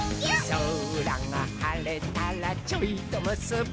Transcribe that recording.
「そらがはれたらちょいとむすび」